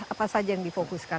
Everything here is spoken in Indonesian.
apa saja yang difokuskan